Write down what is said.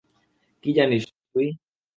কী জানিস তুই?